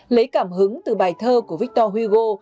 lấy cảm hứng từ bài thơ của victor hugo